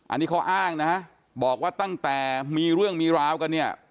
อันนี้เขาอ้างนะบอกว่าตั้งแต่มีเรื่องมีราวกันเนี่ย